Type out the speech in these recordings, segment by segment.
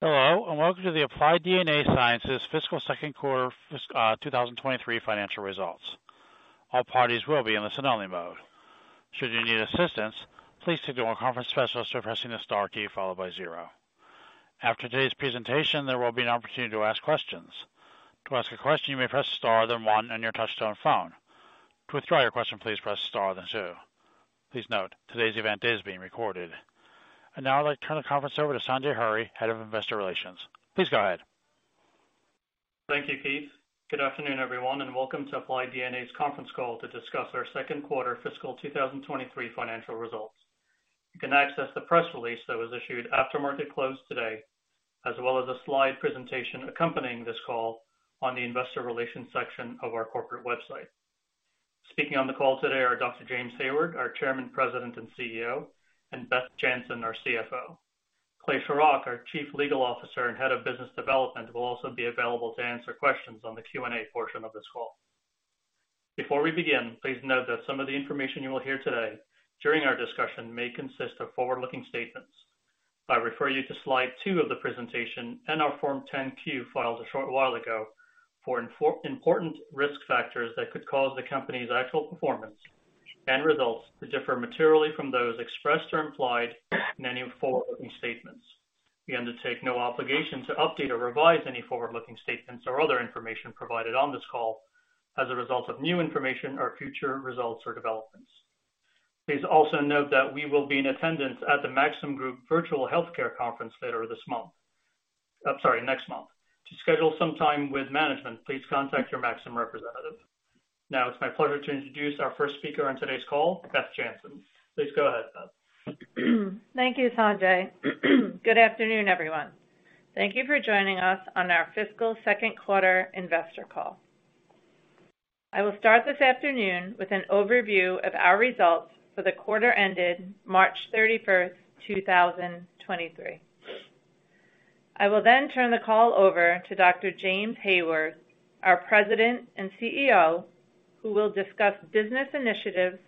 Hello, welcome to the Applied DNA Sciences fiscal second quarter 2023 financial results. All parties will be in listen-only mode. Should you need assistance, please signal a conference specialist by pressing the star key followed by zero. After today's presentation, there will be an opportunity to ask questions. To ask a question, you may press star then one on your touch-tone phone. To withdraw your question, please press star then two. Please note, today's event is being recorded. Now I'd like to turn the conference over to Sanjay M. Hurry, Head of Investor Relations. Please go ahead. Thank you, Keith. Good afternoon, everyone, and welcome to Applied DNA's conference call to discuss our second quarter fiscal 2023 financial results. You can access the press release that was issued after market close today, as well as a slide presentation accompanying this call on the investor relations section of our corporate website. Speaking on the call today are Dr. James A. Hayward, our Chairman, President, and Chief Executive Officer, and Beth Jantzen, our Chief Financial Officer. Clay Shorrock, our Chief Legal Officer and Head of Business Development, will also be available to answer questions on the Q&A portion of this call. Before we begin, please note that some of the information you will hear today during our discussion may consist of forward-looking statements. I refer you to slide two of the presentation and our Form 10-Q filed a short while ago for info-important risk factors that could cause the company's actual performance and results to differ materially from those expressed or implied in any forward-looking statements. We undertake no obligation to update or revise any forward-looking statements or other information provided on this call as a result of new information or future results or developments. Please also note that we will be in attendance at the Maxim Group Virtual Healthcare Conference later this month... I'm sorry, next month. To schedule some time with management, please contact your Maxim representative. Now, it's my pleasure to introduce our first speaker on today's call, Beth Jantzen. Please go ahead, Beth. Thank you, Sanjay. Good afternoon, everyone. Thank you for joining us on our fiscal second quarter investor call. I will start this afternoon with an overview of our results for the quarter ended March 31, 2023. I will turn the call over to Dr. James Hayward, our President and Chief Executive Officer, who will discuss business initiatives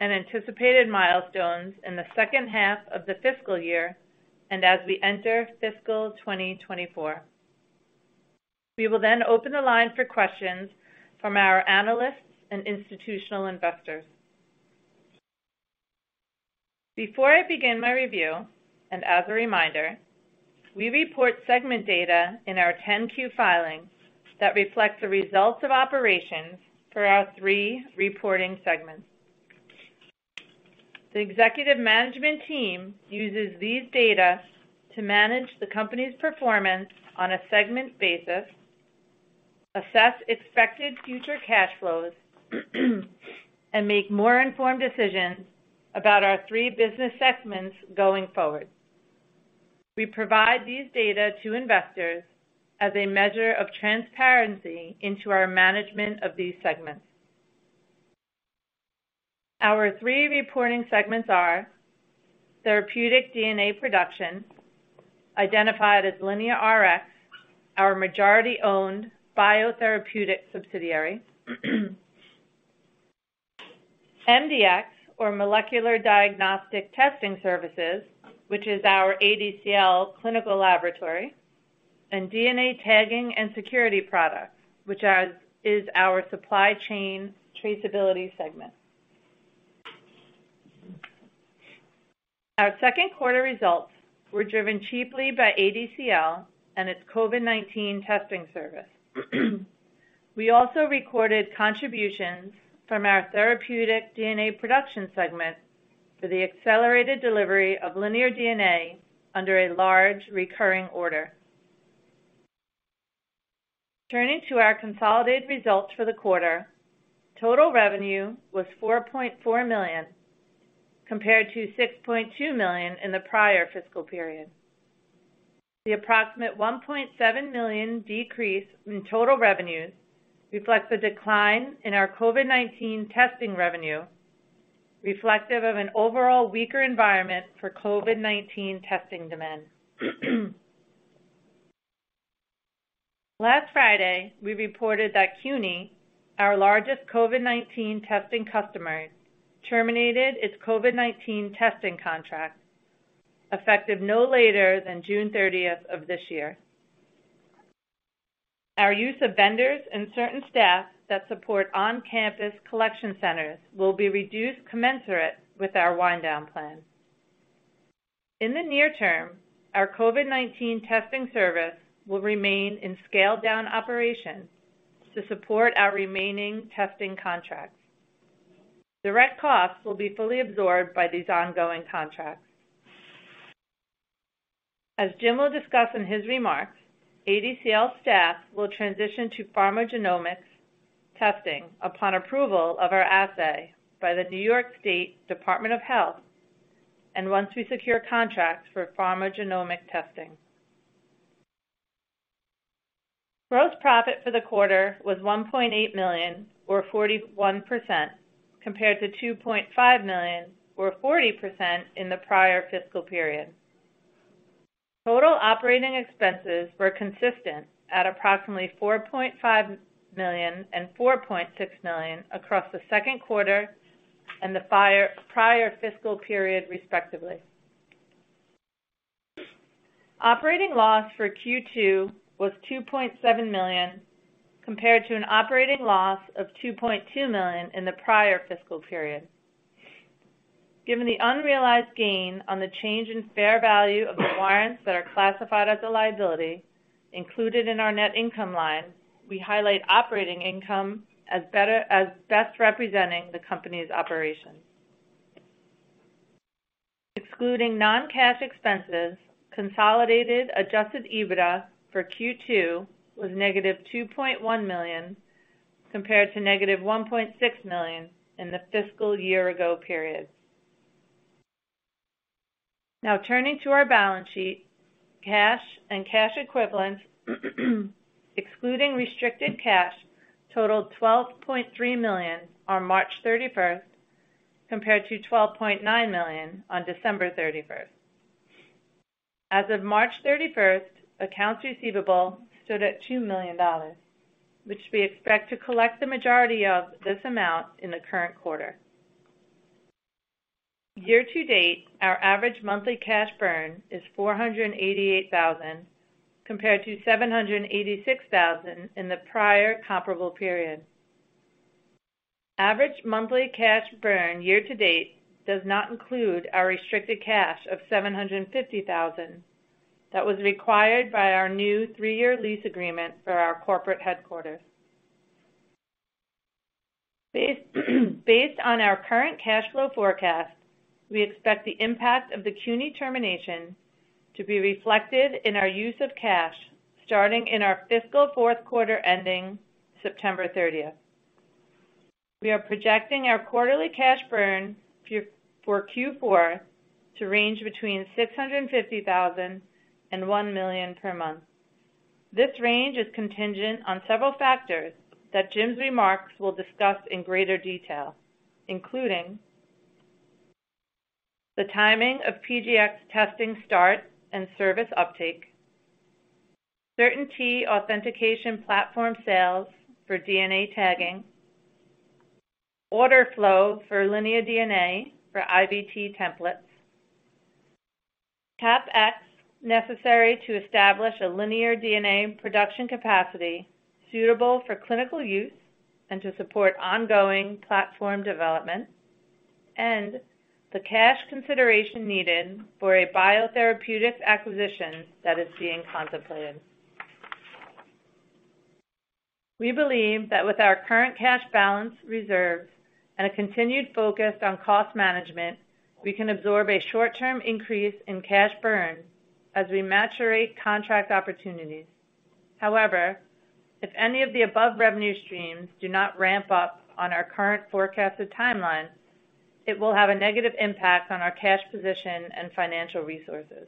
and anticipated milestones in the second half of the fiscal year and as we enter fiscal 2024. We will open the line for questions from our analysts and institutional investors. Before I begin my review, and as a reminder, we report segment data in our Form 10-Q filings that reflects the results of operations for our three reporting segments. The executive management team uses these data to manage the company's performance on a segment basis, assess expected future cash flows and make more informed decisions about our 3 business segments going forward. We provide these data to investors as a measure of transparency into our management of these segments. Our three reporting segments are therapeutic DNA production, identified as LineaRx, our majority-owned biotherapeutic subsidiary, MDX or molecular diagnostic testing services, which is our ADCL clinical laboratory, and DNA tagging and security products, which is our supply chain traceability segment. Our second quarter results were driven chiefly by ADCL and its COVID-19 testing service. We also recorded contributions from our therapeutic DNA production segment for the accelerated delivery of linear DNA under a large recurring order. Turning to our consolidated results for the quarter, total revenue was $4.4 million, compared to $6.2 million in the prior fiscal period. The approximate $1.7 million decrease in total revenues reflects a decline in our COVID-19 testing revenue, reflective of an overall weaker environment for COVID-19 testing demand. Last Friday, we reported that CUNY, our largest COVID-19 testing customer, terminated its COVID-19 testing contract, effective no later than June 30th of this year. Our use of vendors and certain staff that support on-campus collection centers will be reduced commensurate with our wind down plan. In the near term, our COVID-19 testing service will remain in scaled-down operations to support our remaining testing contracts. Direct costs will be fully absorbed by these ongoing contracts. As James will discuss in his remarks, ADCL staff will transition to pharmacogenomics testing upon approval of our assay by the New York State Department of Health, once we secure contracts for pharmacogenomic testing. Gross profit for the quarter was $1.8 million or 41% compared to $2.5 million or 40% in the prior fiscal period. Total operating expenses were consistent at approximately $4.5 million and $4.6 million across the second quarter and the prior fiscal period, respectively. Operating loss for Q2 was $2.7 million, compared to an operating loss of $2.2 million in the prior fiscal period. Given the unrealized gain on the change in fair value of the warrants that are classified as a liability included in our net income line, we highlight operating income as best representing the company's operations. Excluding non-cash expenses, consolidated adjusted EBITDA for Q2 was negative $2.1 million, compared to negative $1.6 million in the fiscal year ago period. Turning to our balance sheet. Cash and cash equivalents excluding restricted cash, totaled $12.3 million on March 31st, compared to $12.9 million on December 31st. As of March 31st, accounts receivable stood at $2 million, which we expect to collect the majority of this amount in the current quarter. Year to date, our average monthly cash burn is $488,000 compared to $786,000 in the prior comparable period. Average monthly cash burn year to date does not include our restricted cash of $750,000 that was required by our new three-year lease agreement for our corporate headquarters. Based on our current cash flow forecast, we expect the impact of the CUNY termination to be reflected in our use of cash starting in our fiscal fourth quarter ending September 30th. We are projecting our quarterly cash burn for Q4 to range between $650,000 and $1 million per month. This range is contingent on several factors that James remarks will discuss in greater detail, including the timing of PGX testing start and service uptake, CertainT authentication platform sales for DNA tagging, order flow for linear DNA for IVT templates, CapEx necessary to establish a linear DNA production capacity suitable for clinical use and to support ongoing platform development, and the cash consideration needed for a biotherapeutic acquisition that is being contemplated. We believe that with our current cash balance reserves and a continued focus on cost management, we can absorb a short-term increase in cash burn as we maturate contract opportunities. However, if any of the above revenue streams do not ramp up on our current forecasted timeline, it will have a negative impact on our cash position and financial resources.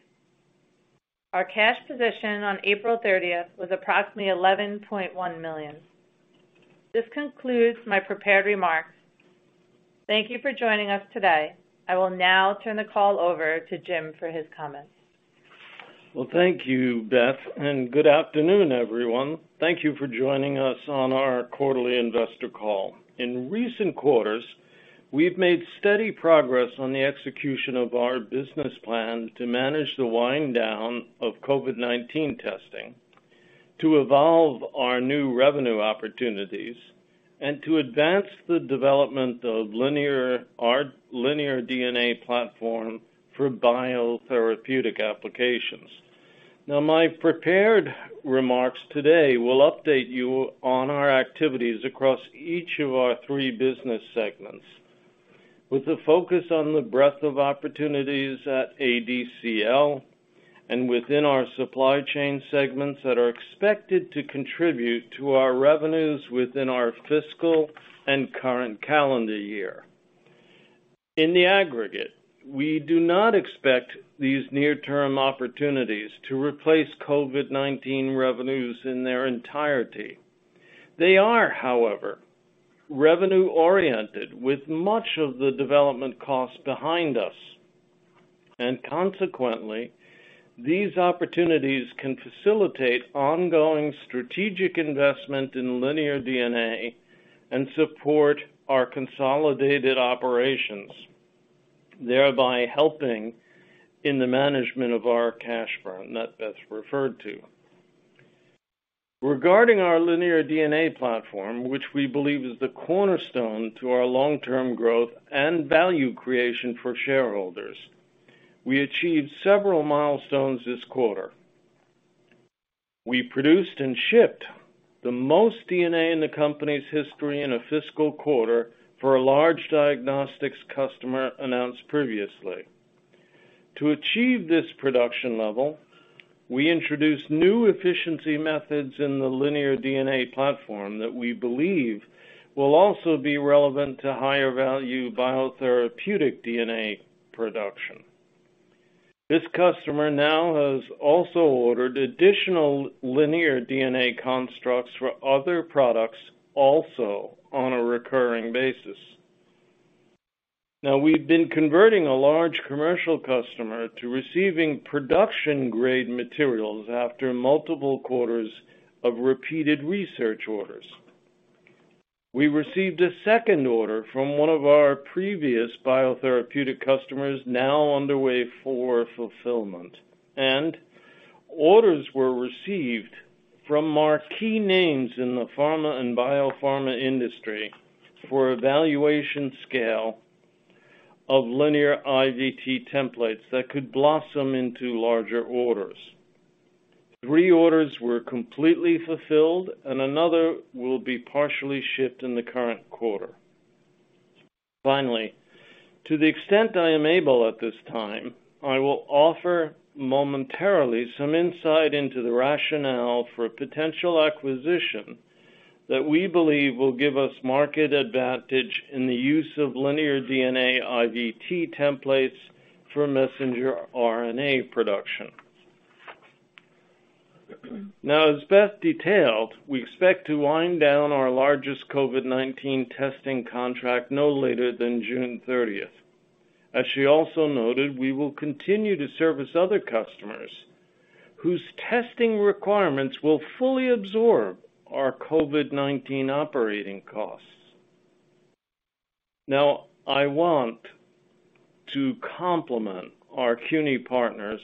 Our cash position on April 30th was approximately $11.1 million. This concludes my prepared remarks. Thank you for joining us today. I will now turn the call over to James for his comments. Well, thank you, Beth. Good afternoon, everyone. Thank you for joining us on our quarterly investor call. In recent quarters, we've made steady progress on the execution of our business plan to manage the wind down of COVID-19 testing, to evolve our new revenue opportunities, and to advance the development of our linear DNA platform for biotherapeutic applications. My prepared remarks today will update you on our activities across each of our three business segments with a focus on the breadth of opportunities at ADCL and within our supply chain segments that are expected to contribute to our revenues within our fiscal and current calendar year. In the aggregate, we do not expect these near-term opportunities to replace COVID-19 revenues in their entirety. They are, however, revenue-oriented with much of the development cost behind us, consequently, these opportunities can facilitate ongoing strategic investment in linear DNA and support our consolidated operations, thereby helping in the management of our cash burn that Beth referred to. Regarding our linear DNA platform, which we believe is the cornerstone to our long-term growth and value creation for shareholders, we achieved several milestones this quarter. We produced and shipped the most DNA in the company's history in a fiscal quarter for a large diagnostics customer announced previously. To achieve this production level, we introduced new efficiency methods in the linear DNA platform that we believe will also be relevant to higher-value biotherapeutic DNA production. This customer now has also ordered additional linear DNA constructs for other products also on a recurring basis. We've been converting a large commercial customer to receiving production-grade materials after multiple quarters of repeated research orders. We received a second order from one of our previous biotherapeutic customers, now underway for fulfillment. Orders were received from marquee names in the pharma and biopharma industry for evaluation scale of linear IVT templates that could blossom into larger orders. Three orders were completely fulfilled, and another will be partially shipped in the current quarter. To the extent I am able at this time, I will offer momentarily some insight into the rationale for a potential acquisition that we believe will give us market advantage in the use of linear DNA IVT templates for messenger RNA production. As Beth detailed, we expect to wind down our largest COVID-19 testing contract no later than June thirtieth. She also noted, we will continue to service other customers whose testing requirements will fully absorb our COVID-19 operating costs. I want to compliment our CUNY partners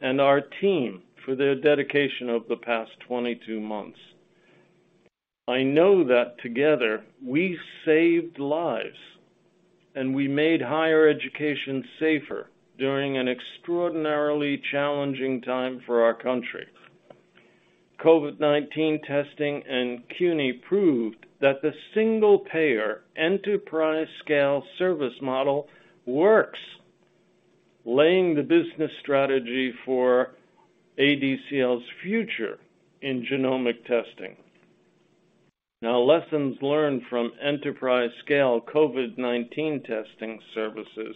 and our team for their dedication over the past 22 months. I know that together we saved lives, and we made higher education safer during an extraordinarily challenging time for our country. COVID-19 testing and CUNY proved that the single payer enterprise scale service model works, laying the business strategy for ADCL's future in genomic testing. Lessons learned from enterprise scale COVID-19 testing services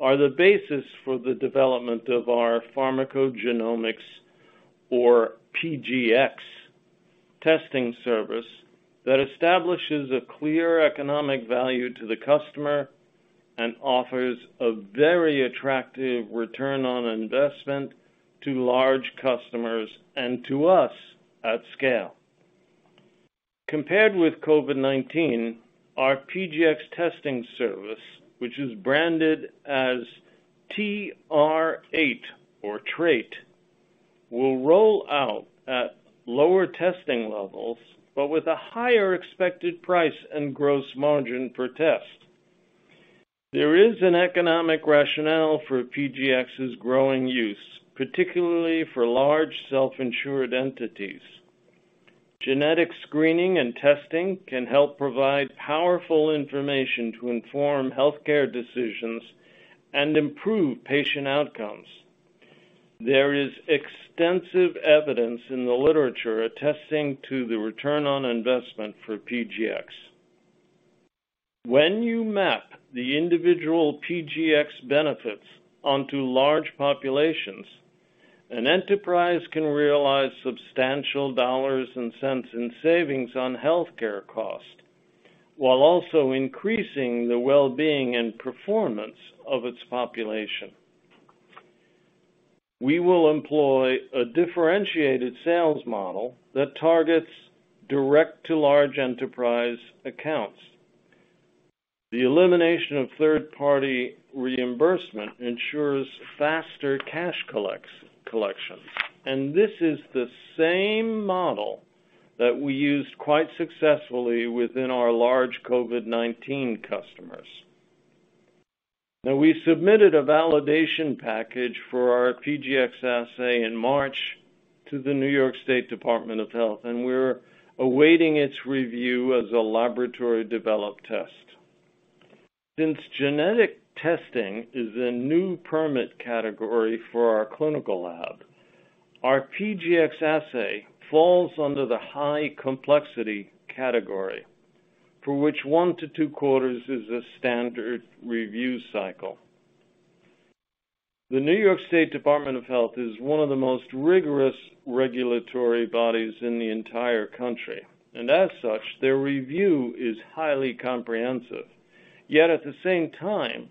are the basis for the development of our pharmacogenomics or PGx testing service that establishes a clear economic value to the customer and offers a very attractive return on investment to large customers and to us at scale. Compared with COVID-19, our PGx testing service, which is branded as TRait or TRait, will roll out at lower testing levels but with a higher expected price and gross margin per test. There is an economic rationale for PGx's growing use, particularly for large self-insured entities. Genetic screening and testing can help provide powerful information to inform healthcare decisions and improve patient outcomes. There is extensive evidence in the literature attesting to the return on investment for PGx. When you map the individual PGX benefits onto large populations, an enterprise can realize substantial dollars and cents in savings on healthcare costs while also increasing the well-being and performance of its population. We will employ a differentiated sales model that targets direct to large enterprise accounts. The elimination of third-party reimbursement ensures faster cash collection. This is the same model that we used quite successfully within our large COVID-19 customers. We submitted a validation package for our PGX assay in March to the New York State Department of Health, and we're awaiting its review as a laboratory-developed test. Genetic testing is a new permit category for our clinical lab, our PGX assay falls under the high complexity category, for which one to two quarters is a standard review cycle. The New York State Department of Health is one of the most rigorous regulatory bodies in the entire country, as such, their review is highly comprehensive. At the same time,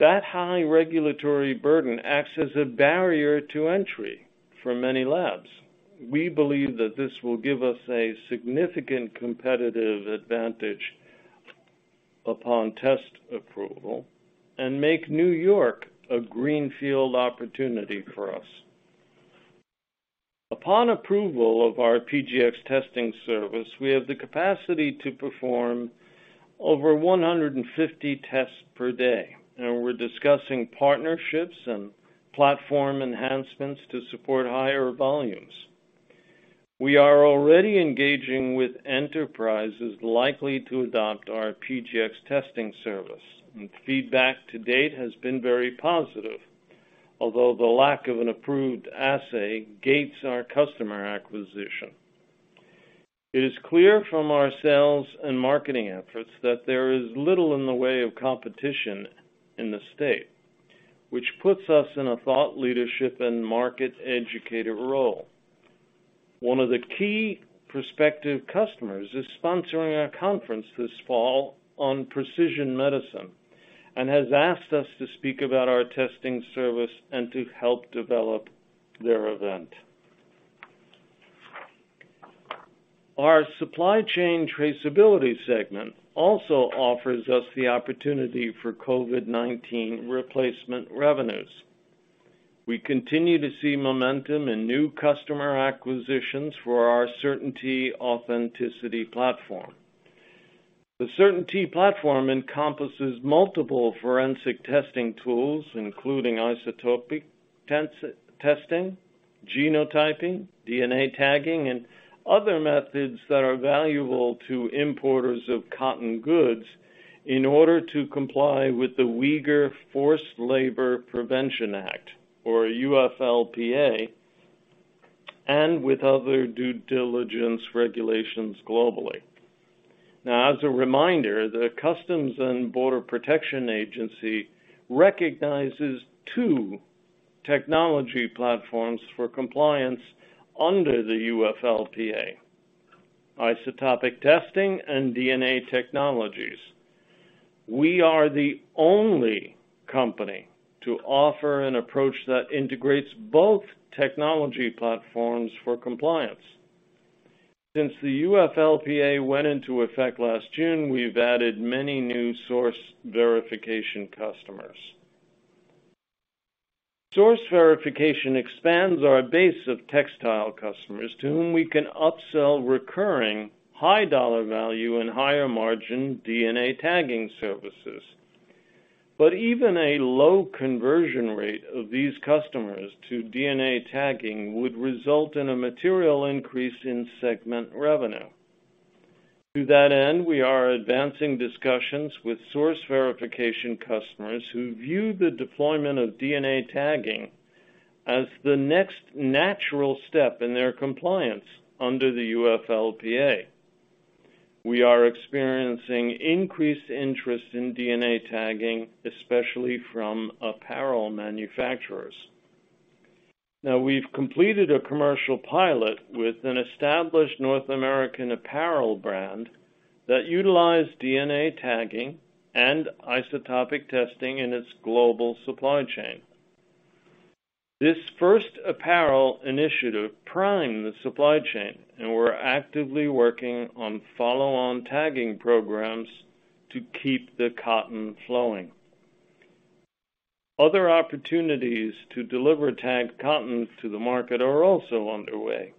that high regulatory burden acts as a barrier to entry for many labs. We believe that this will give us a significant competitive advantage upon test approval and make New York a greenfield opportunity for us. Upon approval of our PGX testing service, we have the capacity to perform over 150 tests per day, we're discussing partnerships and platform enhancements to support higher volumes. We are already engaging with enterprises likely to adopt our PGX testing service, feedback to date has been very positive. The lack of an approved assay gates our customer acquisition. It is clear from our sales and marketing efforts that there is little in the way of competition in the state, which puts us in a thought leadership and market educator role. One of the key prospective customers is sponsoring a conference this fall on precision medicine and has asked us to speak about our testing service and to help develop their event. Our supply chain traceability segment also offers us the opportunity for COVID-19 replacement revenues. We continue to see momentum in new customer acquisitions for our CertainT Authenticity platform. The CertainT platform encompasses multiple forensic testing tools, including isotopic testing, genotyping, DNA tagging, and other methods that are valuable to importers of cotton goods in order to comply with the Uyghur Forced Labor Prevention Act, or UFLPA, and with other due diligence regulations globally. As a reminder, U.S. Customs and Border Protection recognizes two technology platforms for compliance under the UFLPA, isotopic testing and DNA technologies. We are the only company to offer an approach that integrates both technology platforms for compliance. Since the UFLPA went into effect last June, we've added many new source verification customers. Source verification expands our base of textile customers to whom we can upsell recurring high dollar value and higher margin DNA tagging services. Even a low conversion rate of these customers to DNA tagging would result in a material increase in segment revenue. To that end, we are advancing discussions with source verification customers who view the deployment of DNA tagging as the next natural step in their compliance under the UFLPA. We are experiencing increased interest in DNA tagging, especially from apparel manufacturers. We've completed a commercial pilot with an established North American apparel brand that utilized DNA tagging and isotopic testing in its global supply chain. This first apparel initiative primed the supply chain, and we're actively working on follow-on tagging programs to keep the cotton flowing. Other opportunities to deliver tagged cotton to the market are also underway.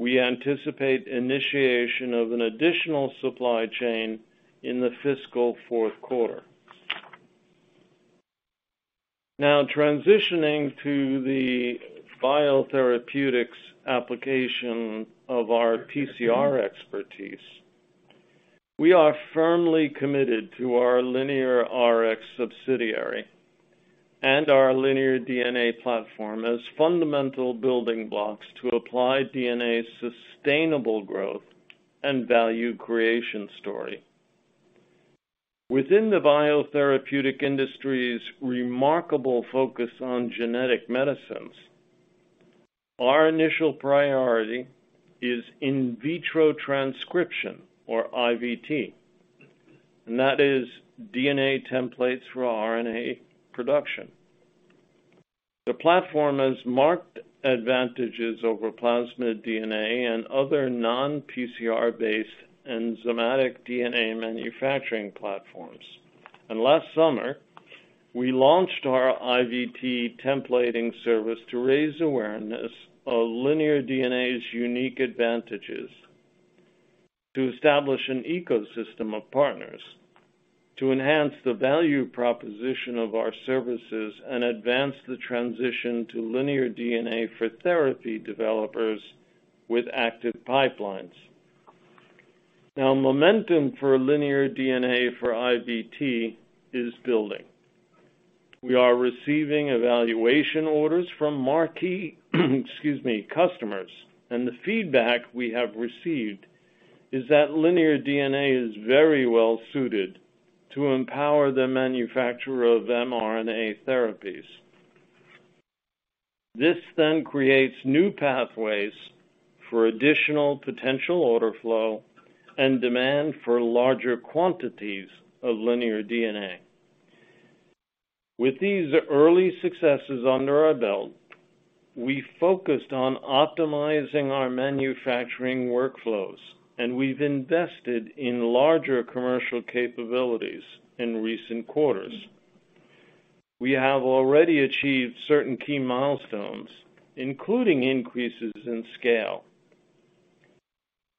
We anticipate initiation of an additional supply chain in the fiscal fourth quarter. Transitioning to the biotherapeutics application of our PCR expertise. We are firmly committed to our LineaRx subsidiary and our linear DNA platform as fundamental building blocks to Applied DNA's sustainable growth and value creation story. Within the biotherapeutic industry's remarkable focus on genetic medicines, our initial priority is in vitro transcription, or IVT, and that is DNA templates for RNA production. The platform has marked advantages over plasmid DNA and other non-PCR-based enzymatic DNA manufacturing platforms. Last summer, we launched our IVT templating service to raise awareness of linear DNA's unique advantages to establish an ecosystem of partners to enhance the value proposition of our services and advance the transition to linear DNA for therapy developers with active pipelines. Momentum for linear DNA for IVT is building. We are receiving evaluation orders from marquee customers, and the feedback we have received is that linear DNA is very well suited to empower the manufacturer of mRNA therapies. This creates new pathways for additional potential order flow and demand for larger quantities of linear DNA. With these early successes under our belt, we focused on optimizing our manufacturing workflows, and we've invested in larger commercial capabilities in recent quarters. We have already achieved certain key milestones, including increases in scale.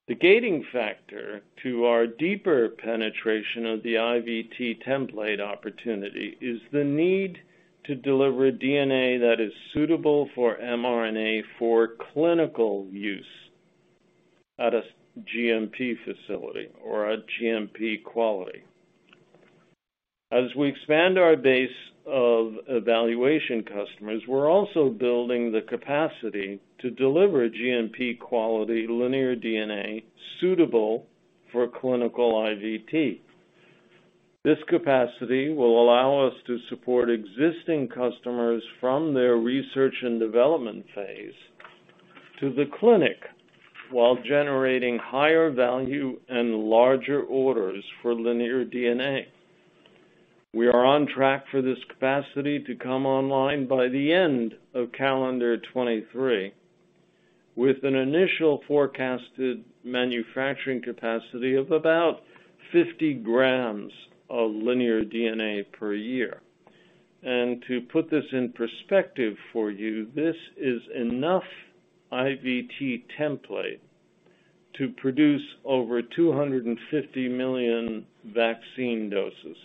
The gating factor to our deeper penetration of the IVT template opportunity is the need to deliver DNA that is suitable for mRNA for clinical use at a GMP facility or a GMP quality. As we expand our base of evaluation customers, we're also building the capacity to deliver GMP quality linear DNA suitable for clinical IVT. This capacity will allow us to support existing customers from their research and development phase to the clinic, while generating higher value and larger orders for linear DNA. We are on track for this capacity to come online by the end of calendar 2023, with an initial forecasted manufacturing capacity of about 50 grams of linear DNA per year. To put this in perspective for you, this is enough IVT template to produce over 250 million vaccine doses.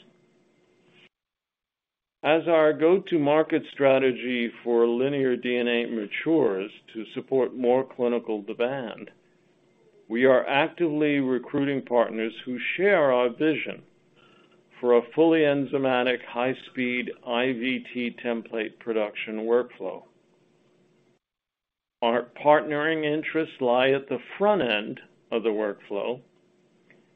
As our go-to-market strategy for linear DNA matures to support more clinical demand, we are actively recruiting partners who share our vision for a fully enzymatic high speed IVT template production workflow. Our partnering interests lie at the front end of the workflow,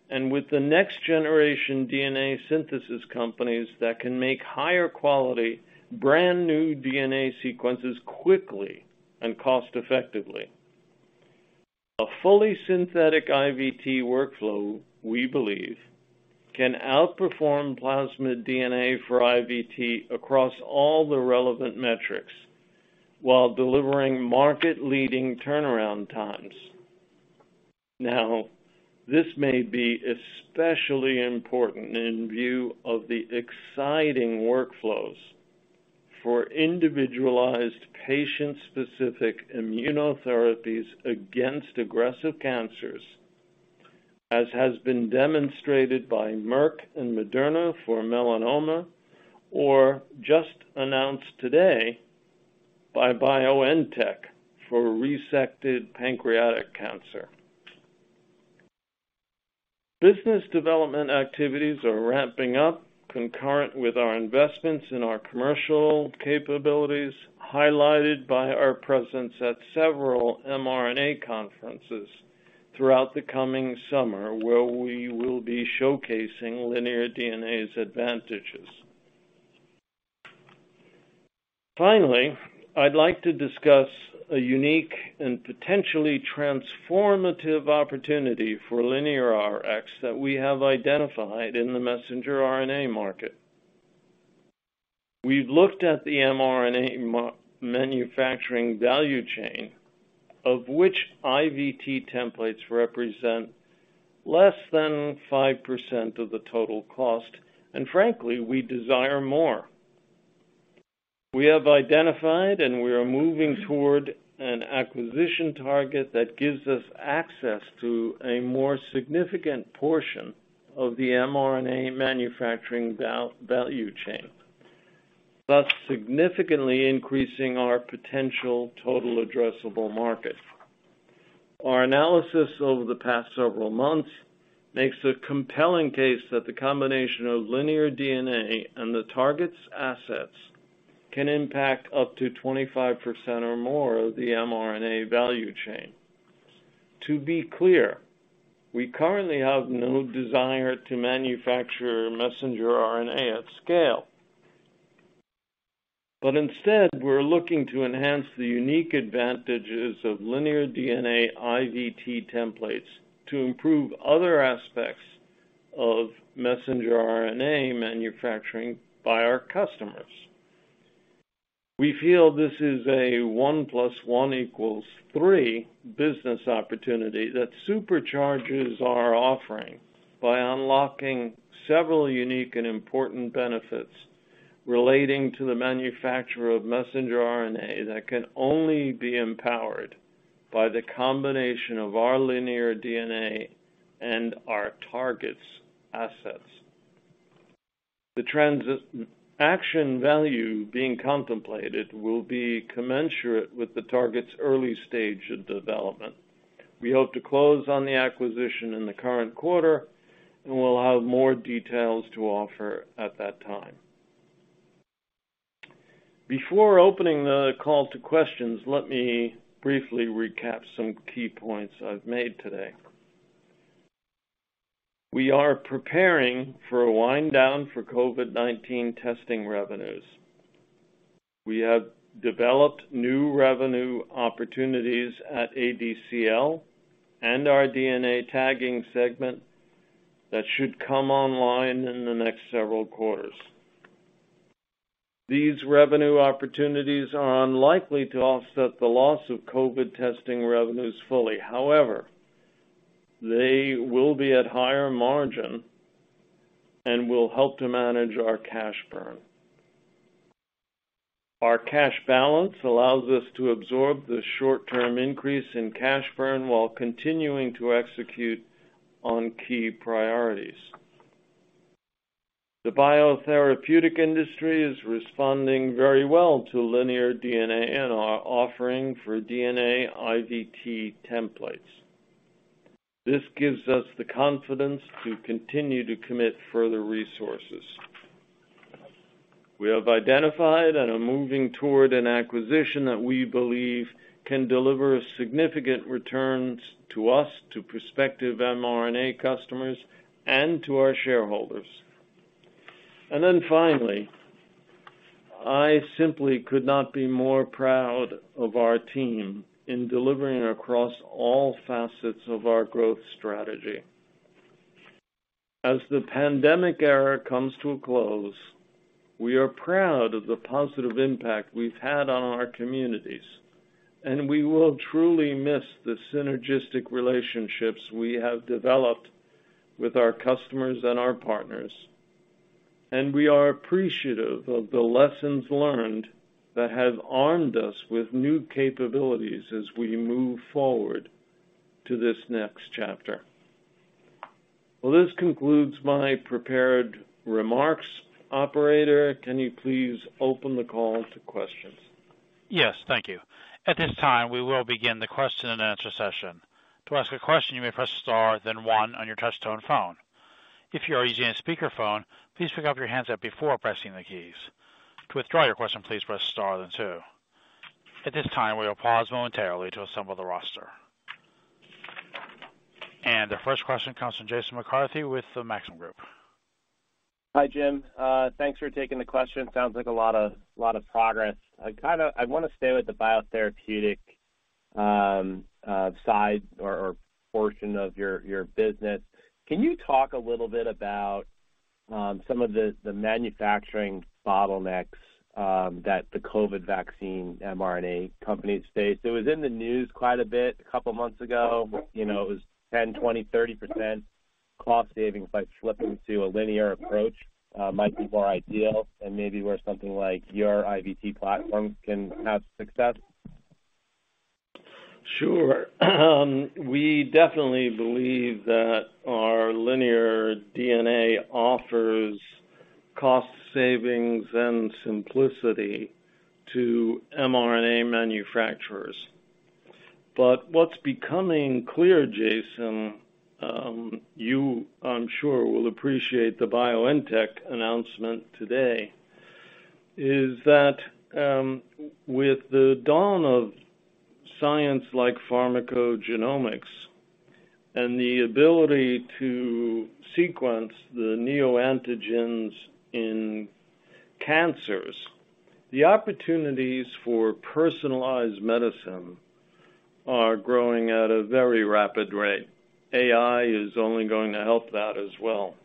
with the next generation DNA synthesis companies that can make higher quality, brand new DNA sequences quickly and cost effectively. A fully synthetic IVT workflow, we believe, can outperform plasmid DNA for IVT across all the relevant metrics while delivering market-leading turnaround times. This may be especially important in view of the exciting workflows for individualized patient-specific immunotherapies against aggressive cancers, as has been demonstrated by Merck and Moderna for melanoma, or just announced today by BioNTech for resected pancreatic cancer. Business development activities are ramping up concurrent with our investments in our commercial capabilities, highlighted by our presence at several mRNA conferences throughout the coming summer, where we will be showcasing linear DNA's advantages. Finally, I'd like to discuss a unique and potentially transformative opportunity for LineaRx that we have identified in the messenger RNA market. We've looked at the mRNA manufacturing value chain, of which IVT templates represent less than 5% of the total cost, and frankly, we desire more. We have identified, and we are moving toward an acquisition target that gives us access to a more significant portion of the mRNA manufacturing value chain, thus significantly increasing our potential total addressable market. Our analysis over the past several months makes a compelling case that the combination of linear DNA and the target's assets can impact up to 25% or more of the mRNA value chain. To be clear, we currently have no desire to manufacture messenger RNA at scale. Instead, we're looking to enhance the unique advantages of linear DNA IVT templates to improve other aspects of messenger RNA manufacturing by our customers. We feel this is a one plus one equals three business opportunity that supercharges our offering by unlocking several unique and important benefits relating to the manufacture of messenger RNA that can only be empowered by the combination of our linear DNA and our target's assets. The transaction value being contemplated will be commensurate with the target's early stage of development. We hope to close on the acquisition in the current quarter, and we'll have more details to offer at that time. Before opening the call to questions, let me briefly recap some key points I've made today. We are preparing for a wind down for COVID-19 testing revenues. We have developed new revenue opportunities at ADCL and our DNA tagging segment that should come online in the next several quarters. These revenue opportunities are unlikely to offset the loss of COVID testing revenues fully. They will be at higher margin and will help to manage our cash burn. Our cash balance allows us to absorb the short-term increase in cash burn while continuing to execute on key priorities. The biotherapeutic industry is responding very well to linear DNA in our offering for DNA IVT templates. This gives us the confidence to continue to commit further resources. We have identified and are moving toward an acquisition that we believe can deliver significant returns to us, to prospective mRNA customers, and to our shareholders. Finally, I simply could not be more proud of our team in delivering across all facets of our growth strategy. As the pandemic era comes to a close, we are proud of the positive impact we've had on our communities, and we will truly miss the synergistic relationships we have developed with our customers and our partners. We are appreciative of the lessons learned that have armed us with new capabilities as we move forward to this next chapter. Well, this concludes my prepared remarks. Operator, can you please open the call to questions? Yes, thank you. At this time, we will begin the question and answer session. To ask a question, you may press star, then one on your touch-tone phone. If you are using a speakerphone, please pick up your handset before pressing the keys. To withdraw your question, please press star then two. At this time, we will pause momentarily to assemble the roster. The first question comes from Jason McCarthy with the Maxim Group. Hi, James. Thanks for taking the question. Sounds like a lot of progress. I wanna stay with the biotherapeutic side or portion of your business. Can you talk a little bit about some of the manufacturing bottlenecks that the COVID vaccine mRNA companies face? It was in the news quite a bit two months ago. You know, it was 10%, 20%, 30% cost savings by flipping to a linear approach might be more ideal and maybe where something like your IVT platform can have success. Sure. We definitely believe that our linear DNA offers cost savings and simplicity to mRNA manufacturers. What's becoming clear, Jason, you, I'm sure, will appreciate the BioNTech announcement today, is that, with the dawn of science like pharmacogenomics and the ability to sequence the neoantigens in cancers, the opportunities for personalized medicine are growing at a very rapid rate. AI is only going to help that as well.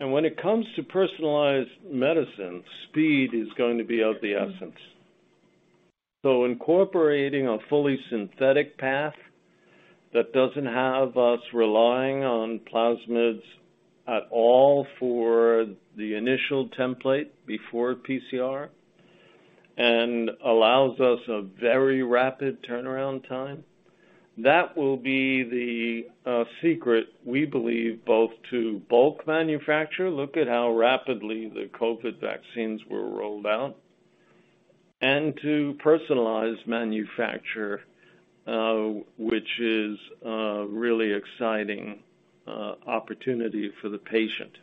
When it comes to personalized medicine, speed is going to be of the essence. Incorporating a fully synthetic path that doesn't have us relying on plasmids at all for the initial template before PCR and allows us a very rapid turnaround time, that will be the secret, we believe, both to bulk manufacture, look at how rapidly the COVID vaccines were rolled out, and to personalized manufacture, which is a really exciting opportunity for the patient.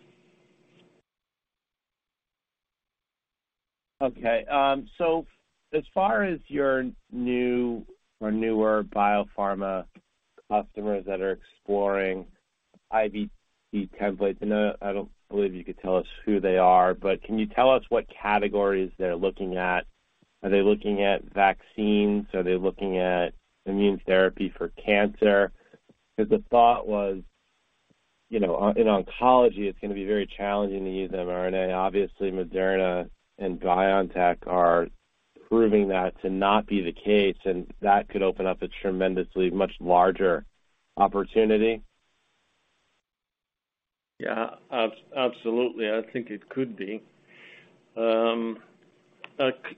As far as your new or newer biopharma customers that are exploring IVT templates, I know I don't believe you could tell us who they are, but can you tell us what categories they're looking at? Are they looking at vaccines? Are they looking at immune therapy for cancer? Because the thought was, you know, on, in oncology it's gonna be very challenging to use mRNA. Obviously, Moderna and BioNTech are proving that to not be the case, and that could open up a tremendously much larger opportunity. Yeah. Absolutely. I think it could be.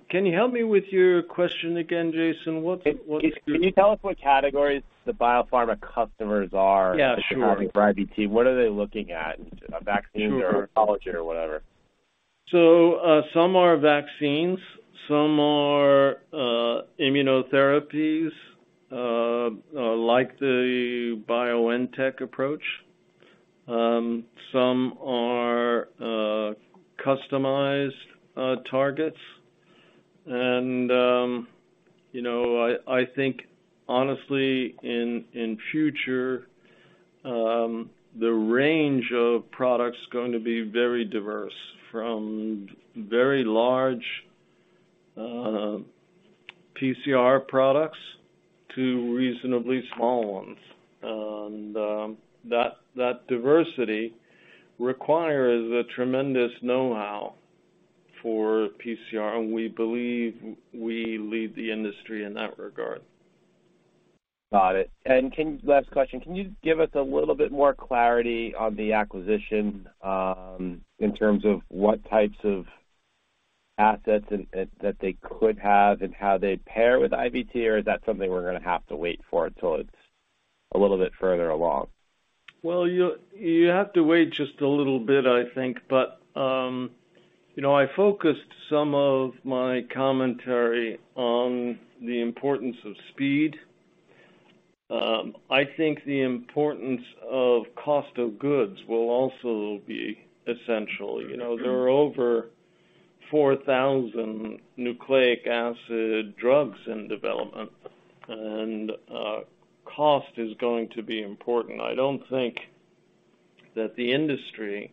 can you help me with your question again, Jason? What's? Can you tell us what categories the biopharma customers? Yeah, sure. looking for IVT? What are they looking at? Sure. Vaccines or oncology or whatever. Some are vaccines, some are immunotherapies, like the BioNTech approach. Some are customized targets. You know, I think honestly in future, the range of products is going to be very diverse, from very large PCR products to reasonably small ones. That diversity requires a tremendous know-how for PCR, and we believe we lead the industry in that regard. Got it. Last question. Can you give us a little bit more clarity on the acquisition, in terms of what types of assets and that they could have and how they pair with IVT or is that something we're gonna have to wait for until it's a little bit further along? Well, you'll have to wait just a little bit, I think. You know, I focused some of my commentary on the importance of speed. I think the importance of cost of goods will also be essential. You know, there are over 4,000 nucleic acid drugs in development, and cost is going to be important. I don't think that the industry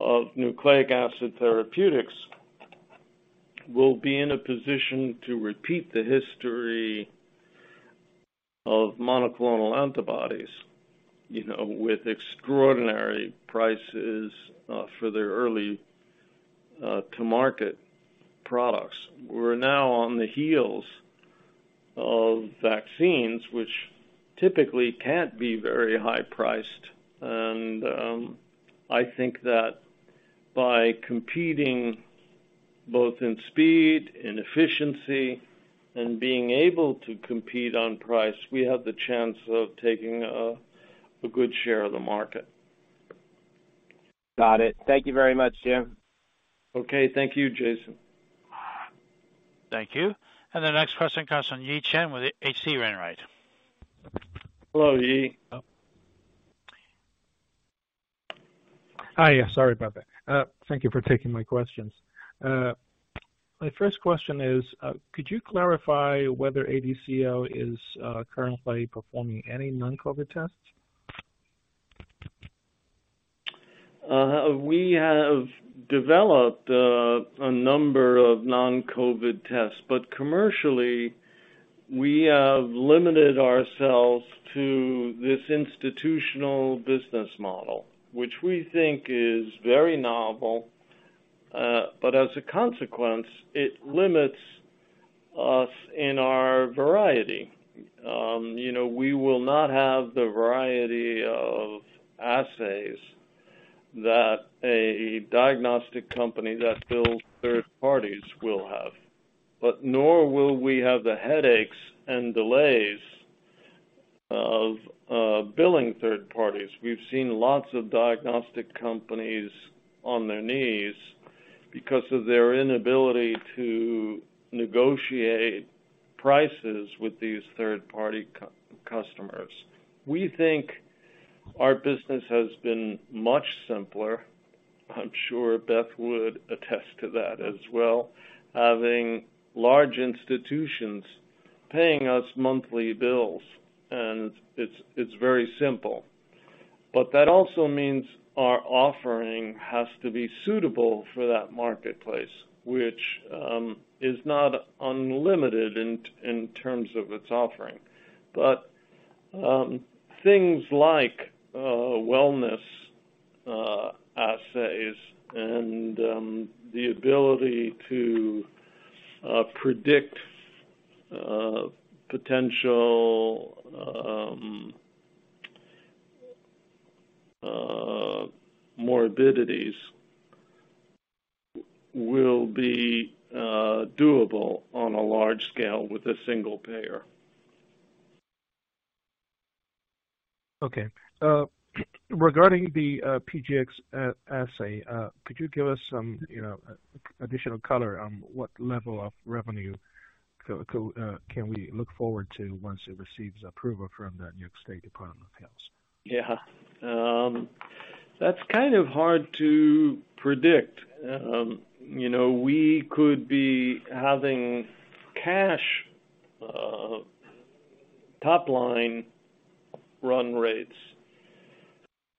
of nucleic acid therapeutics will be in a position to repeat the history of monoclonal antibodies, you know, with extraordinary prices for their early to market products. We're now on the heels of vaccines, which typically can't be very high priced. I think that by competing both in speed and efficiency and being able to compete on price, we have the chance of taking a good share of the market. Got it. Thank you very much, James. Okay. Thank you, Jason. Thank you. The next question comes from Yi Chen with H.C. Wainwright. Hello, Yi. Oh. Hi. Yeah, sorry about that. Thank you for taking my questions. My first question is, could you clarify whether ADCL is currently performing any non-COVID tests? We have developed a number of non-COVID tests, but commercially, we have limited ourselves to this institutional business model, which we think is very novel. As a consequence, it limits us in our variety. You know, we will not have the variety of assays that a diagnostic company that bills third parties will have. Nor will we have the headaches and delays of billing third parties. We've seen lots of diagnostic companies on their knees because of their inability to negotiate prices with these third-party customers. We think our business has been much simpler. I'm sure Beth would attest to that as well, having large institutions paying us monthly bills, and it's very simple. That also means our offering has to be suitable for that marketplace, which is not unlimited in terms of its offering. Things like wellness assays and the ability to predict potential morbidities will be doable on a large scale with a single payer. Okay. regarding the PGX assay, could you give us some, you know, additional color on what level of revenue can we look forward to once it receives approval from the New York State Department of Health? That's kind of hard to predict. You know, we could be having cash, top line run rates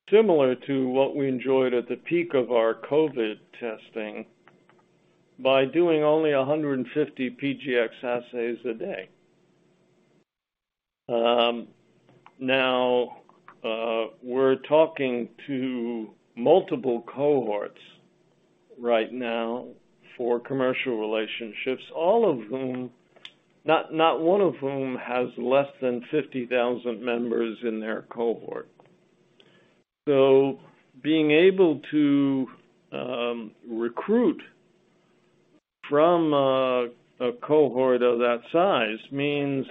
similar to what we enjoyed at the peak of our COVID testing by doing only 150 PGx assays a day. Now, we're talking to multiple cohorts right now for commercial relationships, all of whom, not one of whom has less than 50,000 members in their cohort. Being able to recruit from a cohort of that size means,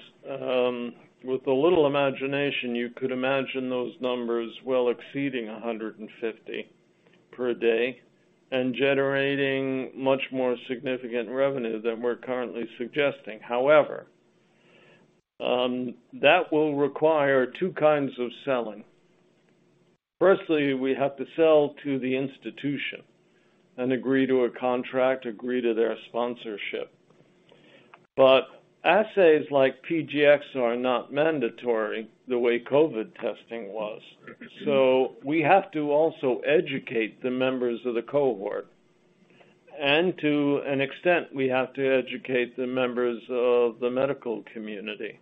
with a little imagination, you could imagine those numbers well exceeding 150 per day and generating much more significant revenue than we're currently suggesting. However, that will require two kinds of selling. Firstly, we have to sell to the institution and agree to a contract, agree to their sponsorship. Assays like PGx are not mandatory the way COVID testing was. We have to also educate the members of the cohort. To an extent, we have to educate the members of the medical community.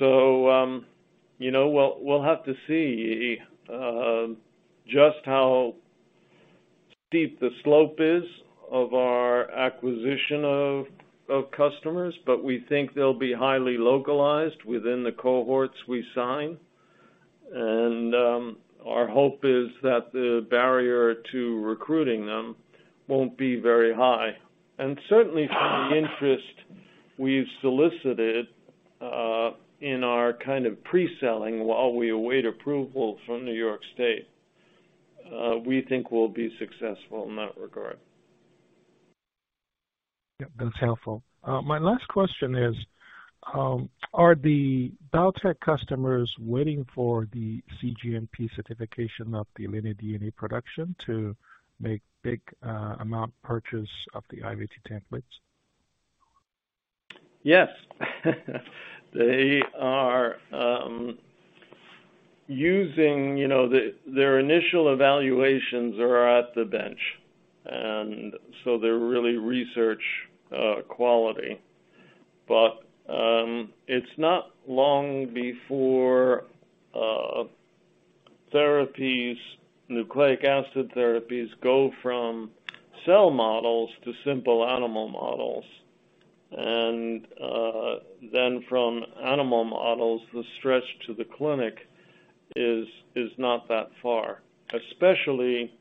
You know, we'll have to see just how steep the slope is of our acquisition of customers, but we think they'll be highly localized within the cohorts we sign. Our hope is that the barrier to recruiting them won't be very high. Certainly from the interest we've solicited in our kind of pre-selling while we await approval from New York State, we think we'll be successful in that regard. That's helpful. My last question is, are the biotech customers waiting for the cGMP certification of the linear DNA production to make big amount purchase of the IVT templates? Yes. They are using. You know, their initial evaluations are at the bench, and so they're really research quality. It's not long before therapies, nucleic acid therapies go from cell models to simple animal models. From animal models, the stretch to the clinic is not that far, especially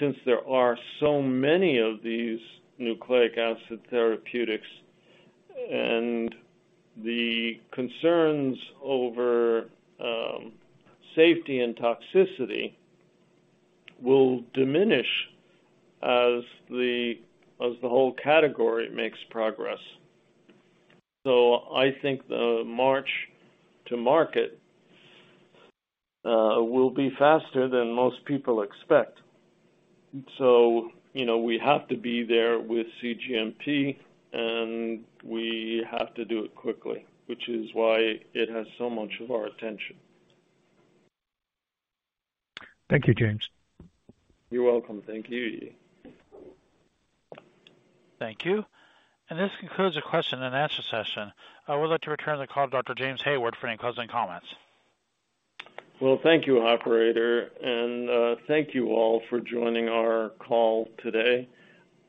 since there are so many of these nucleic acid therapeutics. The concerns over safety and toxicity will diminish as the whole category makes progress. I think the march to market will be faster than most people expect. You know, we have to be there with cGMP, and we have to do it quickly, which is why it has so much of our attention. Thank you, James. You're welcome. Thank you. Thank you. This concludes the question and answer session. I would like to return the call to Dr. James Hayward for any closing comments. Well, thank you, Operator, thank you all for joining our call today.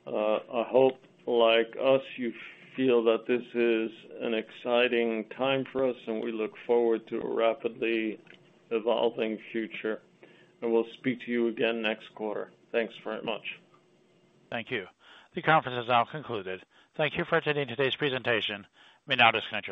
I hope, like us, you feel that this is an exciting time for us, and we look forward to a rapidly evolving future. We'll speak to you again next quarter. Thanks very much. Thank you. The conference has now concluded. Thank you for attending today's presentation. You may now disconnect your lines.